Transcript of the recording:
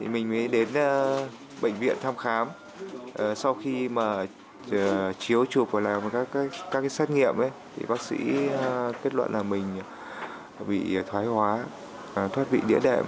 mình mới đến bệnh viện thăm khám sau khi mà chiếu chụp và làm các xét nghiệm thì bác sĩ kết luận là mình bị thoái hóa thoát vị địa đệm